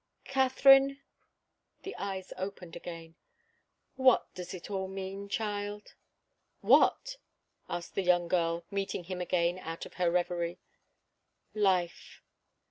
"Katharine," the eyes opened again, "what does it all mean, child?" "What?" asked the young girl, meeting him again out of her reverie. "Life."